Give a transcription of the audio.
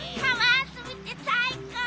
あそびってさいこう！